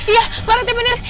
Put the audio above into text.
yeh pak rt bener